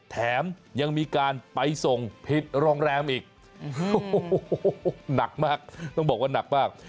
แถมยังมีการไปส่งผิดโรงแรมอีกโอ้โหหนักมากต้องบอกว่าหนักมาก